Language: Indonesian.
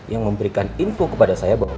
yang memberikan info kepada saya bahwa